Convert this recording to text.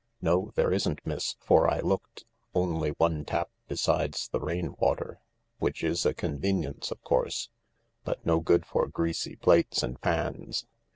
No, there isn't, miss, for I looked ; only one tap besides the rain water, which is a convenience, of course, but no good for greasy plates and pans.